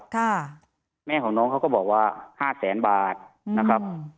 ค่ะแม่ของน้องเขาก็บอกว่าห้าแสนบาทนะครับ